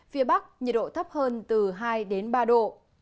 phía bắc nhiệt độ thấp hơn từ hai đến ba độ